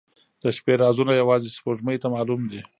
• د شپې رازونه یوازې سپوږمۍ ته معلوم دي.